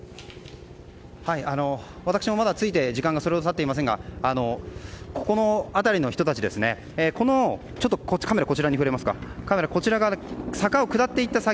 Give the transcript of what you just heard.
私もまだ着いて時間がそれほど経っていませんがここの辺りの人たちこちら側、坂を下って行った先